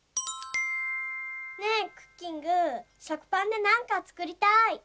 ねえクッキングしょくパンでなんかつくりたい！